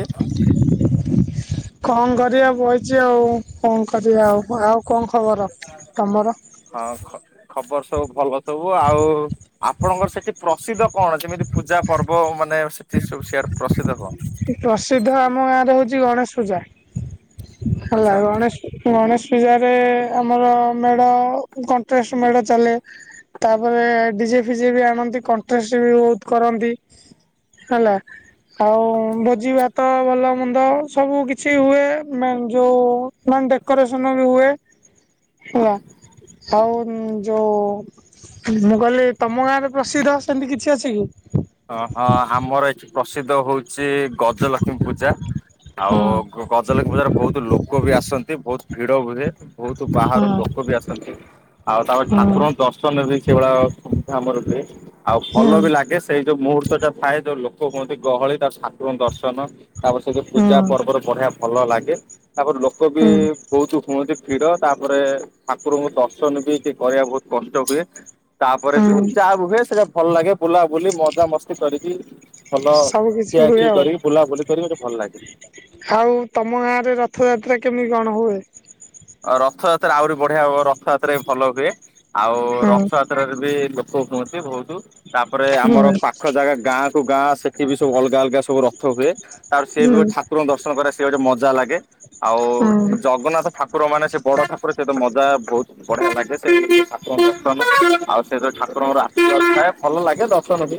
ଏ। କଣ କରିବା ବଇଛି ଆଉ କଣ କରିବା ଆଉ ଆଉ କଣ ଖବର ତମର। ଆଉ ଖ ଖବର ସବୁ ଭଲ ସବୁ ଆଉ। ଆପଣଙ୍କର ସେଠି ପ୍ରସିଦ୍ଧ କଣ ଯେମିତି ପୂଜା ପର୍ବ ମାନେ ସେଠି ସେଆଡେ ପ୍ରସିଦ୍ଧ କଣ? ପ୍ରସିଦ୍ଧ ଆମ ଗାଁରେ ହଉଛି ଗଣେଶ ପୂଜା ହେଲା ଆଚ୍ଛା ଗଣେଶ ଗଣେଶ ପୂଜରେ ଆମର ମେଢ଼ କଣ୍ଟ୍ରଷ୍ଟ ମେଢ଼ ଚାଲେ ତାପରେ ଡିଜେ ଫିଜେ ବି ଆଣନ୍ତି କଣ୍ଟେଷ୍ଟ ବି ବହୁତ କରନ୍ତି। ହେଲା ଆଉ ଭୋଜି ଭାତ ଭଲ ମନ୍ଦ ସବୁ ଗି ଛି ହୁଏ ମାନ ଯୋଉ ମାନେ ଡେକୋରେସନ ବି ହୁଏ ହେଲା। ଆଉ ଯେଉଁ ମୁଁ କହିଲି ତମ ଗାଁ ରେ ପ୍ରସିଦ୍ଧ ସେମିତି କିଛି ଅଛି କି? ଓ ହୋ ଆମର ଏଠି ପ୍ରସିଦ୍ଧ ହଉଛି ଗଜଲକ୍ଷ୍ମୀ ପୂଜା। ଆଉ ହଁ ଗଜଲକ୍ଷ୍ମୀ ପୂଜାରେ ବହୁତ ଲୋକ ବି ଆସନ୍ତି ବହୁତ ଭିଡ ହୁଏ। ବହୁତ ବାହାରୁ ହଁ ଲୋକ ବି ଆସନ୍ତି। ଆଉ ତାପରେ ହଁ ଠାକୁରଙ୍କ ଦର୍ଶନରେ ବି ସେଇଭଳିଆ ସଆମର ବି ଆଉ ହୁଁ ଭଲ ବି ଲାଗେ। ସେଇ ଯୋଉ ମୁହୂର୍ତ୍ତଟା ଥାଏ ଯୋଉ ଲୋକ କୁହନ୍ତି ଗହଳି ତା ଠାକୁରଙ୍କ ଦର୍ଶନ ତାପରେ ସେଠି ପୂଜା ହୁଁ ପର୍ବରେ ବଢିଆ ଭଲ ବି ଲାଗେ ତାପରେ ଲୋକ ବି ବହୁତୁ ହୁଅନ୍ତି ଭିଡ଼ ତାପରେ ଠାକୁରଙ୍କୁ ଦର୍ଶନ ବି ଟିକେ କରିବାକୁ ବହୁତ କଷ୍ଟ ହୁଏ। ତାପରେ ବି ହୁଁ ଯାହା ହୁଏ ସେଇଟା ଭଲ ଲାଗେ ବୁଲାବୁଲି ମଜା ମସ୍ତି କରିକି। ଭଲ ସବୁ କିଛି ଖିଆ ହୁଏ ଖି ଆଉ କରିକି ବୁଲାବୁଲି କରିକି ମୋତେ ଭଲ ଲାଗେ। ଆଉ ତମ ଗାଁ ରେ ରଥଯାତ୍ରା କେମିତି କଣ ହୁଏ? ଅ ରଥଯାତ୍ରା ଆହୁରି ବଢିଆ ହବ ରଥଯାତ୍ରା ବି ଭଲ ହୁଏ। ଆଉ ହୁଁ ରଥଯାତ୍ରା ପାଖରେ ବି ଲୋକ କୁହନ୍ତି ବହୁତ ତାପରେ ହୁଁ ଆମର ପାଖ ଜାଗା ଗାଁ ଗାଁ ସେଠି ବି ସବୁ ଅଲଗା ଅଲଗା ସବୁ ରଥ ହୁଏ ତା ପରେ ସେ ବି ହୁଁ ଠାକୁରଙ୍କ ଦର୍ଶନ କରେ ସେ ଗୋଟେ ମଜା ଲାଗେ ଆଉ ହୁଁ ଜଗନ୍ନାଥ ଠାକୁର ମାନେ ସେ ବଡ ଠାକୁର ସେତ ମଜା ବହୁତ ବଢିଆ ଲାଗେ ସେ ଠକୁରଙ୍କୁ ଦର୍ଶନ ଆଉ ସେ ଯୋଉ ଠାକୁରଙ୍କର ଆସିର୍ବାଦ ଥାଏ ଭଲ ଲାଗେ ଦର୍ଶନ ବି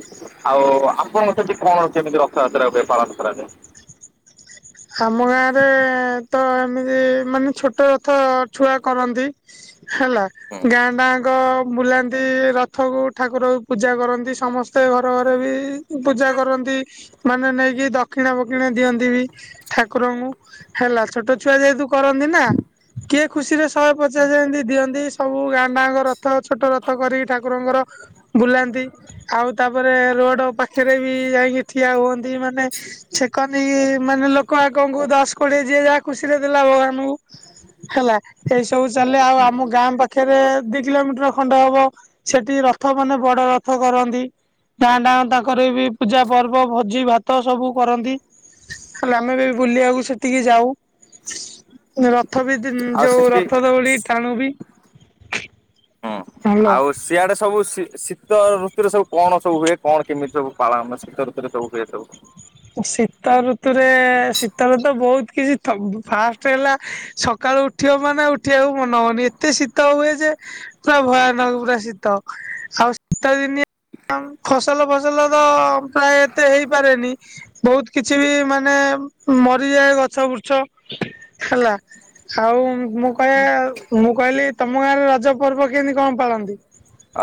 ଆଉ ଆପଣଙ୍କ ସେଠି କଣ ଅଛି ଏମିତି ରଥଯାତ୍ରା ହୁଏ ପାଳନ କରାଯାଏ। ଆମ ଗାଁ ରେ ତ ଏମିତି ମାନେ ଛୋଟ ରଥ ଛୁଆ କରନ୍ତି ହେଲା ଗାଁଟା ଯାକ ବୁଲାନ୍ତି ଏମତି ରଥକୁ ଠାକୁର ପୂଜା କରନ୍ତି, ସମସ୍ତେ ଘର ଘରେ ବି ପୂଜା କରନ୍ତି ମାନେ ନେଇକି ଦକ୍ଷିଣା ଫକ୍ଷିଣା ଦିଅନ୍ତି ବି ଠାକୁରଙ୍କୁ। ହେଲା ଛୋଟ ଛୁଆ ଯେହେତୁ କରନ୍ତି ନା କିଏ ଖୁସିରେ ଶହେ ପଚାଶ ଏମତି ଦିଅନ୍ତି। ସବୁ ଗାଁଟାଯାକ ରଥ ଛୋଟ ରଥ କରିକି ଠାକୁରଙ୍କର ବୁଲାନ୍ତି ଆଉ ତାପରେ ରୋଡ ପାଖରେ ବି ଯାଇକି ଠିଆ ହୁଅନ୍ତି। ମାନେ ଛେକନି ମାନେ ଲୋକ ଆଗଙ୍କୁ ଦଶ କୋଡିଏ ଯିଏ ଯାହା ଖୁସିରେ ଦେଲା ଭଗବାନଙ୍କୁ। ହେଲା। ଏଇ ସବୁ ଚାଲେ ଆଉ ଆମ ଗାଁ ପାଖରେ ଦି କିଲୋମିଟର ଖଣ୍ଡେ ହବ ସେଠି ରଥ ମାନେ ବଡ ରଥ କରନ୍ତି। ଗାଁଟା ଆଙ୍କ ତାଙ୍କର ବି ପୂଜା ପର୍ବ ଭୋଜି ଭାତ ସବୁ କରନ୍ତି। ହେଲେ ଆମେ ବି ବୁଲିବାକୁ ସେଠିକି ଯାଉ। ରଥ ବି ଆଉ ଯୋଉ ସେଠି ରଥ ଦଉଡି ଟାଣୁ ବି। ହୁଁ ଭଲ ଆଉ ସ ସିଆଡେ ସବୁ ଶୀ ଶୀତ ଋତୁରେ ସବୁ କଣ ସବୁ ହୁଏ, କଣ କେମିତି ସବୁ ପାଳନ ମାନେ ଶୀତ ଋତୁରେ ସବୁ ହୁଏ ସବୁ? ଶୀତ ଋତୁରେ ଶୀତଋତୁ ବହୁତ କିଛି ଫାଷ୍ଟ ହେଲା ସକାଳୁ ଉ ଉଠିିବ ମାନେ ଉଠିବାକୁ ମନ ହବନି ଏତେ ଶୀତ ହୁଏ ଯେ ପୁରା ଭୟାନକ ପୁରା ଶୀତ ଆଉ ଶୀତ ଦିନେ ଫସଲ ଫସଲ ତ ପ୍ରାୟ ଏତେ ହେଇପାରେନି। ବହୁତ କିଛି ବି ମାନେ ମରିଯାଏ ଗଛ ବୃଛ ହେଲା। ଆଉ ମୁଁ କହିବା ମୁଁ କହିଲି ତମ ଗାଁରେ ରଜ ପର୍ବ କେମିତି କଣ ପାଳନ୍ତି?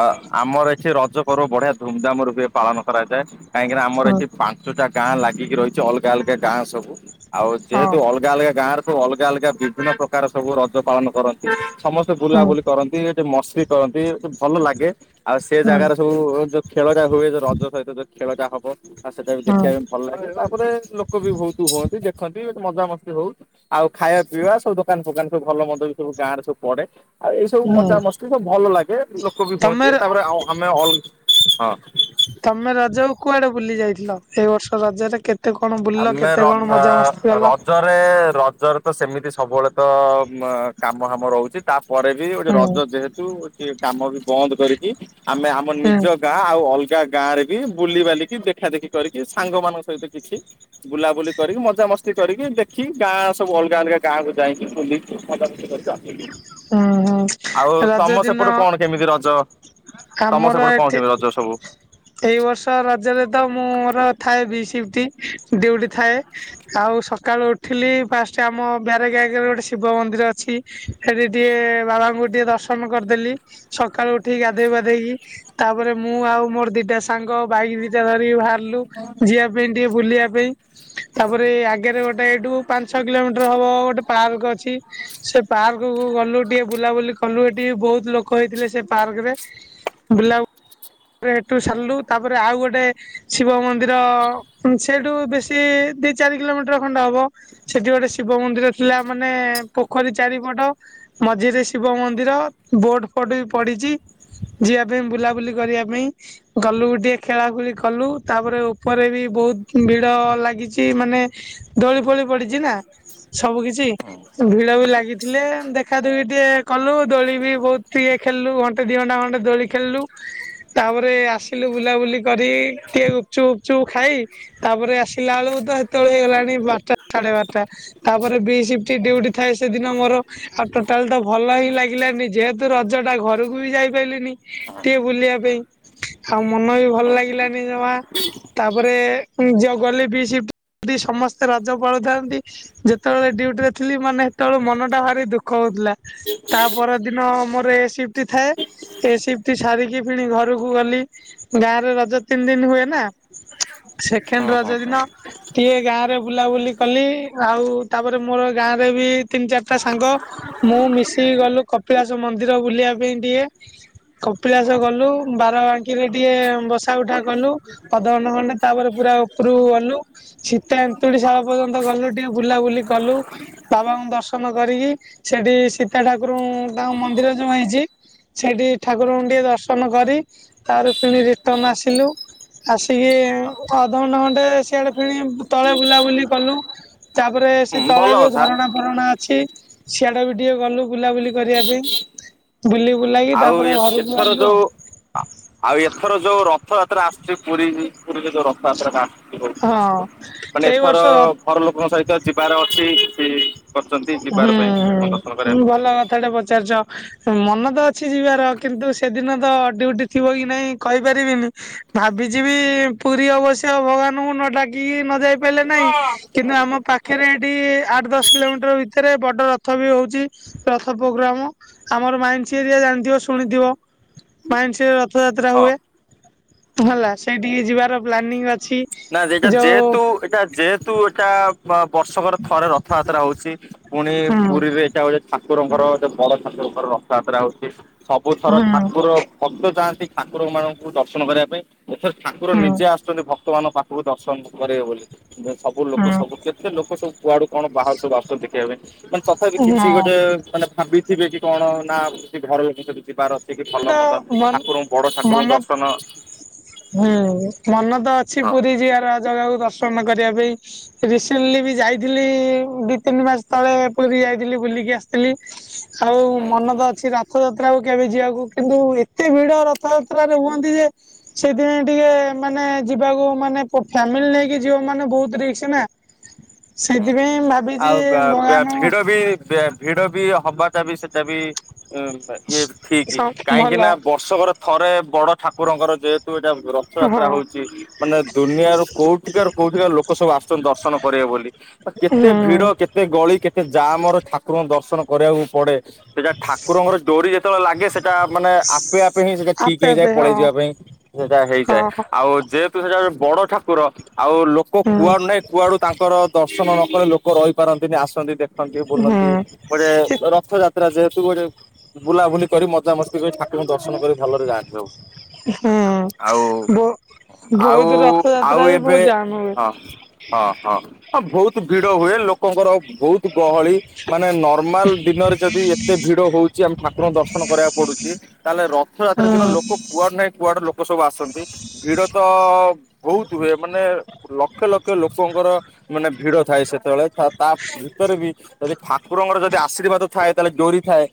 ଅ ଆମର ଏଠି ରଜ ପର୍ବ ବଢିଆ ଧୁମଧାମ ରୂପେ ପାଳନ କରାଯାଏ। କାହିଁକିନା ଆମର ହଁ ଏଠି ପା ଞ୍ଚଟା ଗାଁ ଲାଗିକି ରହିଛି, ଅଲଗା ଅଲଗା ଗାଁ ସବୁ ଆଉ ହଁ ଯେହେତୁ ଅଲଗା ଅଲଗା ଗାଁ ର ସବୁ ଅଲଗା ଅଲଗା ବିଭିନ୍ନ ପ୍ରକାର ସବୁ ରଜ ପାଳନ କରନ୍ତି। ସମସ୍ତେ ବୁଲାବୁଲି ହଁ କରନ୍ତି। ମସ୍ରି କରନ୍ତି ଭଲ ଲାଗେ, ଆଉ ସେ ଜାଗାରେ ସବୁ ଯୋଉ ଖେଳଟା ହୁଏ ଯୋଉ ରଜ ସହିତ ଯୋଉ ଖେଳଟା ହବ ଆଉ ସେଇଟା ବି ହଁ ଦେଖିବା ପାଇଁ ଭଲ ଲାଗେ ତାପରେ ଲୋକ ବି ଭୋଉତୁ ହୁଅନ୍ତି ଦେଖନ୍ତି ମଜାମସ୍ତି ହଉ ଆଉ ଖାଇଆ ପିଇବା ସବୁ ଦୋକାନ ଫୋକାନ ସବୁ ଭଲ ମନ୍ଦ ବି ସବୁ ଗାଁରେ ସବୁ ପଡେ। ଆଉ ଏଇ ସବୁ ହଁ ମଜା ମସ୍ତି ସବୁ ଭଲ ଲାଗେ ଲୋକ ବି ତମେ ହୁଅନ୍ତି ତାପରେ ଆଉଁ ଆମେ ଅଲ୍ ହଁ। ତମେ ରଜକୁ କୁଆଡେ ବୁଲି ଯାଇଥିଲ ଏଇ ବର୍ଷ ରଜେରେ କେ ତେ କଣ ବୁଲିଲ କେତେ କଣ ମଜା ମସ୍ତି କଲ? ମାନେ ରଜରେ ତ ସେମିତି ସବୁବେଳେ ତ ଉଁ ଆଁ କାମ ହାମ ରହୁଚି। ତାପରେ ବି ଗୋଟେ ହୁଁ ରଜ ଯେହେତୁ କିଏ କାମ ବି ବନ୍ଦ କରିକି ଆମେ ଆମ ହୁଁ ନିଜ ଗାଁ ଆଉ ଅଲଗା ଗାଁରେ ବି ବୁଲିିବାଲିକି ଦେଖା ଦେଖି କରିକି ସାଙ୍ଗମାନଙ୍କ ସହିତ କିଛି ବୁଲାବୁଲି କରିକି ମଜାମସ୍ତି କରିକି ଦେଖି ଗାଁ ସବୁ ଅଲଗା ଅଲଗା ଗାଁକୁ ଯାଇଁକି ବୁଲିକି ହୁଁ ଆଉ ରଜ ତମ ଦିନ ସେପଟେ କଣ କେମିତି ରଜ? ତମର ଆମର ସେପଟେ କଁ ଏଠି କେମିତି ରଜ ସବୁ। ଏଇ ବର୍ଷ ରଜେରେ ତ ମୁଁ ମୋର ଥାଏ ବି ସିପ୍ଟ ଡିଉଟି ଥାଏ। ଆଉ ସକାଳୁ ଉଠିଲି ଫାଷ୍ଟ ଆମ ବ୍ୟାରେଗେ ଆଗେରେ ଗୋଟେ ଶିବ ମନ୍ଦିର ଅଛି। ସେଠି ଟିକେ ବାବାଙ୍କୁ ଟିକେ ଦର୍ଶନ କରିଦେଲି ସକାଳୁ ଉଠିକି ଗାଧେଇ ପାଧେଇକି। ତାପରେ ମୁଁ ଆଉ ମୋର ଦିଟା ସାଙ୍ଗ ବାଇକି ଦିଟା ଧରିକି ଭାରଲୁ ଯିିଆ ପେଇଁ ଟିକେ ବୁଲିଆ ପେଇଁ। ତାପରେ ଏ ଆଗରେ ଗୋଟେ ଏଇଠୁ ପାଞ୍ଚ ଛଅ କିଲୋମିଟର ହବ ଗୋଟେ ପାର୍କ ଅଛି ସେ ପାର୍ କୁକୁ ଗଲୁ ଟିକେ ବୁଲାବୁଲି କଲୁ ଏଠି ବି ବୋହୁତ ଲୋକ ହେଇଥିଲେ ସେ ପାର୍କରେ ବୁଲା ପରେ ହେଠୁ ସାରଲୁ ତାପରେ ଆଉ ଗୋଟେ ଶିବ ମନ୍ଦିର ଉଁ ସେଇଠୁ ବେଶ୍ କି ଦି ଚାରି କିଲୋମିଟର ଖଣ୍ଡେ ହବ। ସେଠି ଗୋଟେ ଶିବ ମନ୍ଦିର ଥିଲା ମାନେ ପୋଖରୀ ଚାରିପଟ ମଝିରେ ଶିବ ମନ୍ଦିର ବୋଟ୍ ଫୋଟ୍ ବି ପଡିଚି ଯିଆ ପେଇଁ ବୁଲାବୁଲି କରିବା ପେଇଁ। ଗଲୁ ଟିକେ ଖେଳା ଖୁଳି କଲୁ ତାପରେ ଓପରେ ବି ବୋହୁତ ଭିଡ ଲାଗିଛି ମାନେ ଦୋଳି ଫୋଳି ପଡିଚି ନା ସବୁ କିଛି ଉଁ ଭିଡ ବି ଲାଗିଥିଲେ ଦେଖ୍ ଖା ଦୁଖି ଟିକେ କଲୁ ଦୋଳି ବି ବୋହୁତ ଟିକେ ଖେଳଲୁ ଘଣ୍ଟେ ଦି ଘଣ୍ଟା ଘଣ୍ଟେ ଦୋଳି ଖେଳଲୁ। ତାପରେ ଆସିଲୁ ବୁଲାବୁଲି କରି ଟିକେ ଗୁପଚୁପ ଉପଚୁପୁ ଖାଇ ତାପରେ ଆସିଲାଳୁକୁ ତ ହେତେବେଳେ ହେଇଗଲାଣି ବାରଟା ସାଢେ ବାରଟା। ତାପରେ ବି ସିପ୍ଟି ଡଉଟି ଥାଏ ସେଦିନ ମୋର ଆଉ ଟୋଟାଲ ତ ଭଲ ହିଁ ଲାଗିଲାନି ଯେହେ ତୁ ରଜଟା ଘରକୁ ବି ଯାଇ ପାଇଲିନି। ଟିକେ ବୁଲିବା ପେଇଁ ଆଉ ମନ ବି ଭଲ ଲାଗିଲାନି ଜମା। ତାପରେ ଉଁ ଯୋଉ ଗଲି ବି ସିପ୍ଟି ବି ସମସ୍ତେ ରଜ ପାଳୁଥାନ୍ତି। ଯେତବେଳେ ଡିଉଟିରେ ଥିଲି ମାନେ ସେତେବେଳେ ମନଟା ଭାରି ଦୁଃଖ ହଉଥିଲା। ତା ପର ଦିନ ମୋର ଏ ସିପ୍ଟି ଥାଏ ଏ ସପ୍ ଟି ସାରିକି ଫିଣି ଘରକୁ ଗଲି ଗାଁରେ ରଜ ତିନ ଦିନ ହୁଏ ନା। ହୁଁ ସେକେଣ୍ଡ ହୁଁ ରଜ ହୁଁ ଦିିନ ଟିକେ ଗାଁରେ ବୁଲାବୁଲି କଲି ଆଉ ତାପରେ ମୋର ଗାଁରେ ବି ତିନ ଚାରିଟା ସାଙ୍ଗ। ମୁଁ ମିଶିକି ଗଲୁ କପିଳାସ ମନ୍ଦିର ବୁଲିଆ ପେଇଁ ଟିକେ। କପିଳାସ ଗଲୁ ବାରବାଙ୍କିରେ ଟିକେ ବସା ଉଠା କଲୁ। ଅଧଘଣ୍ଟେ ଖଣ୍ଡେ ତାପରେ ପୁରା ଓପରକୁ ଗଲୁ। ସୀତା ଏନ୍ତୁଡିଶାଳ ପର୍ଯ୍ୟନ୍ତ ଗଲୁ ଟିକେ ବୁଲାବୁଲି କଲୁ। ବାବାଙ୍କୁ ଦର୍ଶନ କରିକି ସେଠି ସୀତା ଠାକୁରୁଙ୍କୁ ତାଙ୍କ ମନ୍ଦିର ଯୋଉ ହେଇଚି ସେଇଠି ଠାକୁରଙ୍କୁ ଟିକେ ଦର୍ଶନ କରି ତାପରେ ଫିଣି ରିଟନ୍ ଆସିଲୁ। ଆସିକି ଅଧଘଣ୍ଟେ ଖଣ୍ଡେ ସିଆଡେ ଫିଣି ତଳେ ବୁଲାବୁଲି କଲୁ। ତାପରେ ସେ ହୁଁ ତଳେ ଭଲ ଯୋଉ କଥା ଝରଣା ଫରଣା ଅଛି ସିଆଡେ ବି ଟିକେ ଗଲୁ ବୁଲାବୁଲି କରିବା ପେଇଁ ବୁଲି ବୁଲାକି ତ ଯୋଉ ଏ ଏଥର ଯୋଉ ଆ ଆଉ ଏଥର ଯୋଉ ରଥଯାତ୍ରା ଆସୁଚି ପୁରୀ ପୁରୀରେ ଯୋଉ ରଥଯାତ୍ରାକୁ ଆସିବ ଯିଏ ଆସିବ ହଁ ମାନେ ଏଇ ଏଥର ବର୍ଷ ଘର ଲୋକଙ୍କ ସହିତ ଯିବାର ଅଛି [unintelligible] ଯିବାର ହୁଁ ପାଇଁ ଠାକୁରଙ୍କ ଦର୍ଶନ କରିବା ହୁଁ ଭଲ ପାଇଁ କଥା ଟେ ପଚାରିଚ। ମନ ତ ଅଛି ଯିବାର କିନ୍ତୁ ସେଦିନ ତ ଡ୍ୟୁଟି ଥିବ କି ନାହିଁ କହିପାରିବିନି ଭାବିଚି ବି ପୁରୀ ଅବଶ୍ୟ ଭଗବାନଙ୍କୁ ନ ଡାକିକି ନ ଯାଇ ପାରିଲେ ନାହିଁ କିନ୍ତୁ ଆମ ପାଖରେ ଏଟି ଆଠ ଦଶ କିଲୋମିଟର ମିଟର ଭିତରେ ବଡ ରଥ ବି ହୋଉଚି ରଥ ପ୍ରୋଗ୍ରାମ। ଆମର ମାଇନ୍ସି ଏରିଆ ଜାଣିଥିବ ଶୁଣିଥିବ ମାଇସିର ରଥ ଯାତ୍ରା ହଁ ହୁଏ ହେଲା ସେଇଟିକି ଯିବାର ପ୍ଲାନିଂ ଅଛି ଯୋଉ ଏଟା ଯେହେତୁ ଏଟା ବର୍ଷକର ଥରେ ରଥଯାତ୍ରା ହୋଉଚି। ପୁଣି ହୁଁ ପୁରୀରେ ଏଇଟା ଗୋଟେ ଠାକୁରଙ୍କର ଯ ବଡ ଠାକୁରଙ୍କର ରଥଯାତ୍ରା ହୋଉଚି। ସବୁଥର ହୁଁ ଠାକୁର ଭକ୍ତ ଯାଆନ୍ତି ଠାକୁର ମାନଙ୍କୁ ଦର୍ଶନ କରିବା ପାଇଁ ଏଥର ଠାକୁର ହୁଁ ନିଜେ ଆସୁଚନ୍ତି ଭକ୍ତ ମାନଙ୍କ ପାଖକୁ ଦର୍ଶନ କରିବେ ବୋଲି। ସବୁ ଲୋକ ସବୁ ହୁଁ କେତେ ଲୋକ ସବୁ କୁଆଡୁ କଣ ବାହାରୁ ସବୁ ଆସୁଚନ୍ତି ଦେଖିବା ପାଇଁ କି ତ ତଥାପି କିଛି ହଁ ଗୋଟେ ମାନେ ଭାବିଥିବେ କି କଣ ନା ସେ ଘର ଲୋକ ସେଟି ଯିବାର ସେ କି ଭଲ ତ ମନ୍ଦ ମନ ଠାକୁରଙ୍କୁ ବଡ ମନ ଠାକୁରଙ୍କୁ ଦର୍ଶନ ହୁଁ ମନ ତ ଅଛି ହଁ ପୁରୀ ଯିବାର ଜାଗାକୁ ଦର୍ଶନ କରିବା ପାଇଁ ରିସେଣ୍ଟଲି ବି ଯାଇଥିଲି ଦି ତିନି ମାସ ତଳେ ପୁରୀ ଯାଇଥିଲି ବୁଲିକି ଆସିଥିଲି। ଆଉ ହୁଁ। ମନ ତ ଅଛି ରଥ ଯାତ୍ରାକୁ କେବେ ଯିବାକୁ କିନ୍ତୁ ଏତେ ଭିଡ ରଥଯାତ୍ରାରେ ହୁଅନ୍ତି ଯେ ସେଇଥିପାଇଁ ଟିକେ ମାନେ ଯିବାକୁ ମାନେ ଫ୍ୟାମିଲି ନେଇକି ଯିବ ମାନେ ବୋହୁତ ରିକ୍ସ ନା। ସେଥିପାଇଁ ଆଉ ଭାବିଚି ବା ବା ଭଗାନକୁ ଭିଡ ବି ବେ ଭିଡ ବି ହବାଟା ବି ସେଟା ବି ଇଏ ଠିକି। କାହିଁକି ଭଲ ନା ବର୍ଷକରେ ଥରେ ବଡ ଠାକୁରଙ୍କର ଯେହେତୁ ଏଇଟା ହଁ। ରଥଯାତ୍ରା ହୋଉଚି। ମାନେ ଦୁନିଆରୁ କୋଉଠିକର କୋଉଠିକର ଲୋକ ସବୁ ଆସୁଚନ୍ତି ଦର୍ଶନ କରିବେ ବୋଲି। କେତେ ଭିଡ ହୁଁ କେତେ ଗଳି କେତେ ଜାମର ଠାକୁରଙ୍କୁ ଦର୍ଶନ କରିବାକୁ ପଡେ ସେଟା ଠାକୁରଙ୍କ ଡୋରି ଯେତେବେଳେ ଲାଗେ ସେ ଟା ମାନେ ଆପେ ଆପେ ହିଁ ସେଟା ଠିକ ଆପେ ଆପେ ହେଇଯାଏ ହଁ ପଳେଇ ଯିବା ପାଇଁ ସେଇଟା ହେଇଯାଏ ହଁ ଆଉ ଯେ ହେତୁ ସେଟା ଗୋଟେ ବଡ ଠାକୁର ଆଉ ଲୋକ ହୁଁ କୁଆଡୁ ନାହିଁ କୁଆଡୁ ତାଙ୍କର ଦର୍ଶନ ନ କଲେ ଲୋକ ରହିପାରନ୍ତିନି ଆସନ୍ତି ଦେଖନ୍ତି ବୁଲନ୍ତି ହୁଁ। ଗୋଟେ ରଥଯାତ୍ ତ୍ରା ଯେହେତୁ ଗୋଟେ ବୁଲାବୁଲି କରି ମଜାମସ୍ତି କରି ଠାକୁରଙ୍କୁ ଦର୍ଶନ କରି ଭଲରେ ଜାଆନ୍ତି ସବୁ। ଆଉ ହୁଁ ବୋ ଆଉ ବହୁତ ଆଉ ରଥଯାତ୍ରା ବି ଏବେ ବହୁତ ଜାମ ହୁଏ। ହଁ। ହଁ ହଁ ବୋହୁତ ଭିଡ ହୁଏ ଲୋକଙ୍କର ବୋହୁତ ଗହଳି। ମାନେ ନର୍ମାଲ ଦିନରରେ ଯେଦି ଏତେ ଭିଡ ହୋଉଚି ଆମେ ଠାକୁରଙ୍କ ଦର୍ଶନ କରିବାକୁ ପଡୁଚି ତାହେଲେ ରଥଯାତ୍ରା ଦିନ ହୁଁ ଲୋକ କୁଆଡେ ନାହିଁ କୁଆଡେ ଲୋକ ସବୁ ଆସନ୍ତି ଭିଡ ତ ବୋହୁତ୍ ହୁଏ ମାନେ ଲକ୍ଷେ ଲକ୍ଷ ଲୋକଙ୍କର ମାନେ ଭିଡ ଥାଏ ସେତେବେଳେ ତା ତା ଭିତରେ ବି ଯଦି ଠାକୁରଙ୍କର ଯଦି ଆଶୀର୍ବାଦ ଥାଏ ତାହେଲେ ଡୋରି ଥାଏ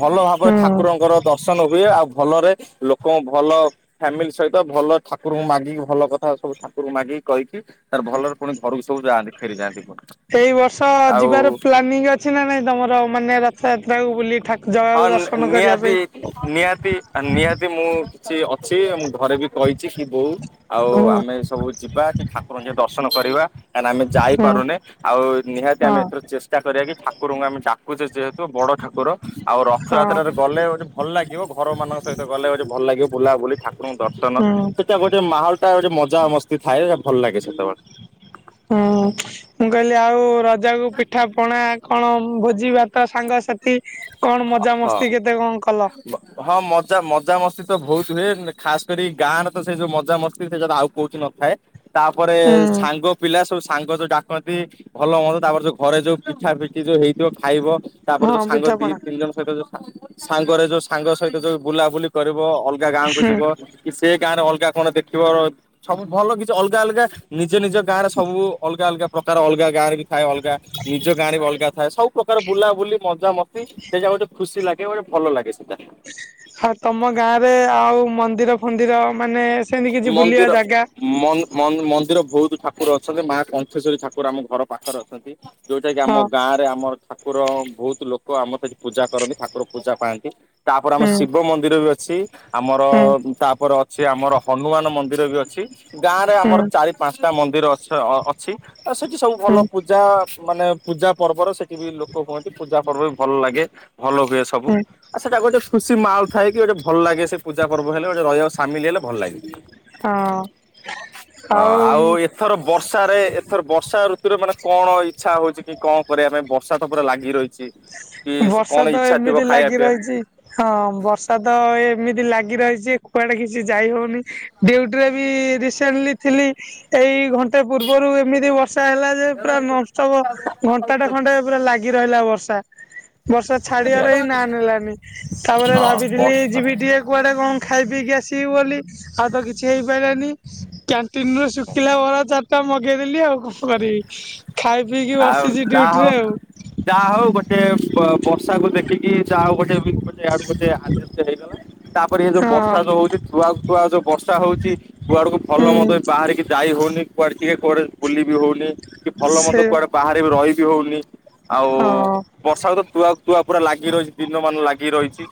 ଭଲ ଭାବରେ ହୁଁ। ଠାକୁରଙ୍କର ଦର୍ଶନ ହୁଏ ଆଉ ଭଲରେ ଲୋକ୍ କଣ ଭଲ ଫ୍ୟାମିଲି ସହିତ ଭଲ ଠାକୁରଙ୍କୁ ମାଗିକି ଭଲ କଥା ସବୁ ଠାକୁରଙ୍କୁ ମାଗିକି କହିକି ତାର ଭଲରେ ପୁଣି ଘରକୁ ସବୁ ଯାଆନ୍ତି ଫେରି ଯାଆନ୍ତି ପୁଣି। ଏଇ ବର୍ଷ ଆଉ ଯିବାର ପ୍ଲାନିଂ ଅଛି ନା ନାଇଁ ତମର ମାନେ ରଥଯାତ୍ରାକୁ ବୁଲି ଠା ଜଗାକୁ ଦର୍ଶନ କରିବା ପାଇଁ। ତି ନିହାତି ମୁଁ କିଛି ଅ ଛି ମୁଁ ଘରେ ବି କହିଚି କି ବୋଉ ଆଉ ହୁଁ ଆମେ ସବୁ ଯିବା କି ଠାକୁରଙ୍କ ଦର୍ଶନ କରିବା କାଁକି ଆମେ ହୁଁ ଯାଇପାରୁନେ ଆଉ ନିହାତି ହଁ ଆମେ ଏଥର ଚେଷ୍ଟ ଚା କରିବା କି ଠାକୁରଙ୍କୁ ଆମେ ଡାକୁଛେ ଯେହେତୁ ବଡ ଠାକୁର। ଆଉ ହଁ ରଥଯାତ୍ରାରେ ଗଲେ ହଉ ଭଲ ଲାଗିବ ଘର ମାନଙ୍କ ସହିତ ଗଲେ ହଉଚି ଭଲ ଲାଗିବ ବୁଲାବୁଲି ଠାକୁରଙ୍କୁ ଦର୍ଶନ ହୁଁ। ସେ ଟା ଗୋଟେ ମାହୋଲ ଟା ଗୋଟେ ମଜା ମସ୍ତି ଥାଏ ଟା ଭଲ ଲାଗେ ସେତେବେଳେ। ହୁଁ ମୁଁ କହିଲି ଆଉ ରଜାକୁ ପିଠା ପଣା କଣ ଭୋଜି ଭାତ ସାଙ୍ଗସାଥି କଣ ହଁ ମଜାମସ୍ତି କେତେ କଣ କଲ? ହଁ ମଜା-ମଜାମସ୍ତି ତ ବହୁତ ହୁଏ। ଉଁ ଖାସ କରି ଗାଁ ରେ ତ ସେ ଯୋଉ ମଜାମସ୍ତି ସେ ଗୁରା ଆଉ କୋଉଠି ନ ଥାଏ। ତା ପରେ ହୁଁ ସାଙ୍ଗ ପିଲା ସବୁ ସାଙ୍ଗ ଯୋଉ ଡାକନ୍ତି ଭଲ ହୁଅନ୍। ତା ପରେ ଯୋଉ ଘରେ ଯୋଉ ପିଠା ପିଠି ଯୋଉ ହେଇଥିବ ଖାଇବ। ତା ପରେ ହଁ ଯୋଉ ସାଙ୍ଗ ଦି ପିଠାପଣା ତିନି ଜଣ ସହିତ ଯୋଉ ସାଁ ସାଙ୍ଗ ରେ ଯୋଉ ସାଙ୍ଗ ସହିତ ଯୋଉ ବୁଲାବୁଲି କରିବ। ଅଲ୍ ଅଲଗା ଗାଁ କୁ ହୁଁ ଯିବ କି ସେ ଗାଁ ରେ ଅଲଗା କଣ ଦେଖିବ ର ସବୁ ଭଲ କିଛି ନି ଅଲଗା ଅଲଗା ନିଜ ନିଜ ଗାଁରେ ସବୁ ଅଲଗା ଅଲଗା ପ୍ରକାର ଅଲଗା ଗାଁରେ ଥାଏ ଅଲଗା ନିଜ ଗାଁରେ ବି ଅଲଗା ଥାଏ। ସବୁ ପ୍ର୍ରକାର ବୁଲାବୁଲି ମଜା ମସ୍ତି ସେ ଯା ଗୋଟେ ଖୁସି ଲାଗେ ୱେ ଭଲ ଲାଗେ ସେଟା। ଆଉ ତମ ଗାଁ ରେ ଆଉ ମନ୍ଦିର ଫନ୍ଦିର ମାନେ ସେମିତି କିଛି ବୁଲିବା ମନ୍ଦିର ଜାଗା ମନ୍-ମନ୍-ମନ୍ଦିର ବହୁତ ଠାକୁର ଅଛନ୍ତି ମା କଣ୍ଠେଶ୍ଵରୀ ଠାକୁର ଆମ ଘର ପାଖରେ ଅଛନ୍ତି। ଯୋଉଟା କି ଆମ ହଁ ଗାଁ ରେ ଆମର ଠାକୁର ବହୁତ ଲୋକ ଆମର ସେଠି ପୂଜା କରନ୍ତି ଠାକୁର ପୂଜା ପାଆନ୍ତି। ତା ପରେ ଆମର ହୁଁ। ଶିବ ମନ୍ଦିର ବି ଅଛି। ଆମର ହୁଁ ତା ପରେ ଅଛି ଆମର ହନୁମାନ ମନ୍ଦିର ବି ଅଛି ଗାଁ ରେ ଆମର ହୁଁ ଚାରି ପାଞ୍ଚଟା ମନ୍ଦିର ଅଛ ଅଛି। ଆଉ ସେଇଠି ସବୁ ଭଲ ହୁଁ ପୂଜା ମାନେ ପୂଜା ପର୍ବର ସେଠି ବି ଲୋକ ହୁଅନ୍ତି। ପୂଜା ପର୍ବ ବି ଭଲ ଲାଗେ ଭଲ ହୁଏ ସବୁ। ହୁଁ ଆଉ ସେଟା ଗୋଟେ ଖୁସି ମାଲ ଥାଏ କି ଗୋଟେ ଭ ଲାଗେ ସେ ପୂଜା ପର୍ବ ହେଲେ ଗୋଟେ ରହିବା ସାମିଲ ହେଲେ ଭଲ ଲାଗେ। ହଁ ହଁ ଆଉ ଏ ଥର ବର୍ଷାରେ ଏଥର ବର୍ଷା ଋତୁରେ ମାନେ କଣ ଇଚ୍ଛା ହଉଚି କି କଣ କରିବା ପାଇଁ ବର୍ଷା ତ ପୁରା ଲାଗି ରହି ଚି। ବର୍ଷା ତ ଏମିତି ଲାଗି ରହିଛି। ହଁ ବର୍ଷା ତ ଏମିତି ଲାଗି ରହିଛି କୁଆଡେ କିଛି ଯାଇ ହଉନି। ଡିୟୁଟିରେ ବି ରିସେଣ୍ଟଲି ଥିଲି। ଏଇ ଘଣ୍ଟା ପୂର୍ବରୁ ଏମିତି ବର୍ଷା ହେଲା ଯେ ପୁରା ନନଷ୍ଟପ ଘଣ୍ଟା ଟା ଖଣ୍ଡେ ପୁରା ଲାଗ ଲାଗି ରହିଲା ବର୍ଷା। ବର୍ଷା ଛାଡିବାର ପିଇବା ହିଁ ନା ନେଲାନି ତା ପରେ ହଁ ଭାବିଥିଲି ବର୍ଷା ଯିବି ଟିକେ କୁଆଡେ କଣ ଖାଇ ପିଇ କିି ଆସିବି ବୋଲି। ଆଉ ତ କିଛି ହେଇପାରିଲାନି କ୍ୟାଣ୍ଟିନ ରୁ ଶୁଖିଲା ବରା ଚା ତା ମଗେଇଦେଲି ଆଉ କଣ କରିବି ଖାଇ ପିଇକି ଆଉ ବସିଚି ଯାହା ଡିୟୁଟି ହଉ ରେ ଆଉ। ଯାହା ହଉ ଗୋଟେ ବ ବର୍ଷାକୁୁ ଦେଖିକି ଯାହା ହଉ ଗୋଟେ ୱେ ଗୋଟେ ଗୋଟେ ଆଡଜଷ୍ଟ ହେଇଗଲା। ତା ପରେ ଇଏ ଯୋଉ ହଁ ବର୍ଷା ଯୋଉ ହଉଚି ତୁହା କୁ ତୁହା ଯୋଉ ବର୍ଷା ହଉଚି କୁଆଡ କୁ ଭଲ ହୁଁ ମନ୍ଦ ବାହାରିକି ଯାଇ ହଉନି କୁଆଡେ ଟିକେ କୁଆଡେ ବୁଲି ବିି ହଉନି କି ଭଲ ମନ୍ଦ ସେ କୁଆଡେ ବାହାରେ ବି ରହିବି ହଉନି। ଆଉ ହଁ ବର୍ଷାକୁ ତ ତୁହା କୁ ତୁହା ପୁରା ଲାଗି ରହିଚି ଦିନ ମାନ ଲାଗି ରହିଚି।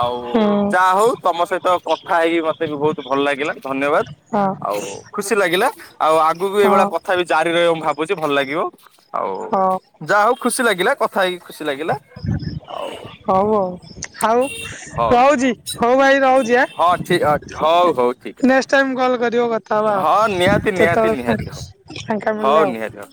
ଆଉ ହୁଁ ଯାହା ହଉ ତମ ସହିତ କଥା ହେଇକି ମତେ ବି ବହୁତ ଭଲ ଲାଗିଲା ଧନ୍ୟବାଦ। ହଁ। ଆଉ ଖୁସି ଲାଗିଲା ଆଉ ଆଗକୁ ହଁ ଏଇଭଳିଆ ହଁ କଥା ବି ଜାରି ରହିବ ମୁଁ ଭାବୁଛି ଭଲ ଲାଗିବ। ଆଉ ହଉ ଯାହା ହଉ ଖୁସି ଲାଗିଲା କଥା ହେଇକି ଖୁସି ଲାଗିଲା। ଆଉ ହଉ ଆଉ ଆଉ ହଉ ରହୁଚି ହଉ ଭାଇ ରହୁଚି ଆଁ? ହଁ ଠିକ ହଉ ହଉ ଠିକ ଅଛି ହଉ। ନେଷ୍ଟ ଟାଇମ କଲ୍ କରିବ କଥା ହେବା ହଁ ଆଉ ନିହାତି ନିହାତି କେତେବେଳେ ନିହାତି ହଉ ଫାଙ୍କା ହଉ ମିଳିଲେ ଆଉ। ନିହାତି ହଉ।